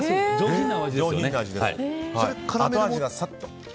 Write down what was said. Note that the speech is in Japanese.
後味がさっと。